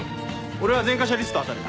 俺は前科者リスト当たる。